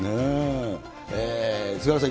菅原さん